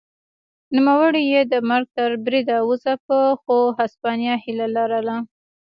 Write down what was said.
نوموړی یې د مرګ تر بریده وځپه خو هسپانیا هیله لرله.